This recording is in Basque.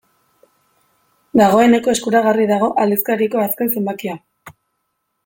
Dagoeneko eskuragarri dago aldizkariko azken zenbakia.